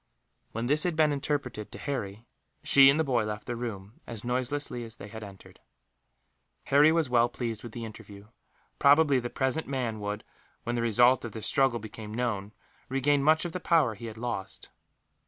When this had been interpreted to Harry, she and the boy left the room, as noiselessly as they had entered. Harry was well pleased with the interview. Probably the present man would, when the result of this struggle became known, regain much of the power he had lost.